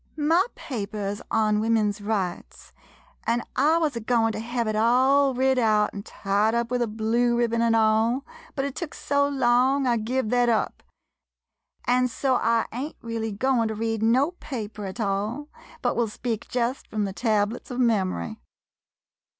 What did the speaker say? My paper's on Women's Rights — an' I wuz a goin' to hev it all writ out, an' tied up with a blue ribbon an' all, but it took so long, I give thet up, an' so I ain't really goin' to 120 ON WOMAN'S RIGHTS read no paper at all, but will speak jest frum the tablets of mem'ry.